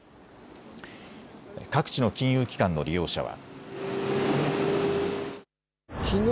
各地の金融機関の利用者は。